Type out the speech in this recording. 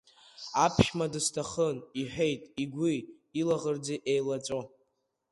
Аԥшәма дысҭахын, — иҳәеит игәи илаӷырӡи еилаҵәо.